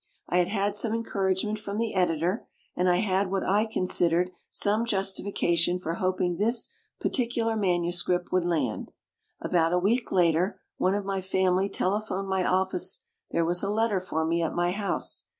I had had some encouragement from the editor, and I had what I considered some Justification for hoping this particular manuscript would land. About a week later, one of my family tele phoned my office there was a letter for me at my house.